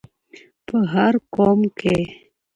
په هر قوم کې